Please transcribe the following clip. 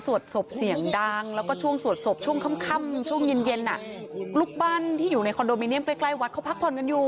ศพเสียงดังแล้วก็ช่วงสวดศพช่วงค่ำช่วงเย็นเย็นลูกบ้านที่อยู่ในคอนโดมิเนียมใกล้วัดเขาพักผ่อนกันอยู่